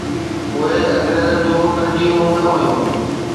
اهي انگريزن جون ترجيحون نه هيون.